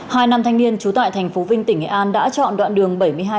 hai năm thanh niên chú tại tp vinh tỉnh nghệ an đã chọn đoạn đường bảy mươi hai m